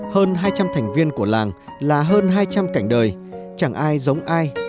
hơn hai trăm linh thành viên của làng là hơn hai trăm linh cảnh đời chẳng ai giống ai